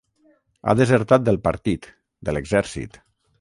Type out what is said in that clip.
Ha desertat del partit, de l'exèrcit.